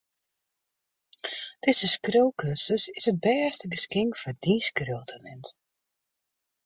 Dizze skriuwkursus is it bêste geskink foar dyn skriuwtalint.